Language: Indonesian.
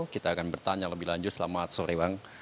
kita akan bertanya lebih lanjut selamat sore bang